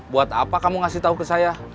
buat apa kamu ngasih tahu ke saya